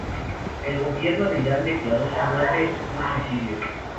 El gobierno de Irán declaró su muerte un suicidio.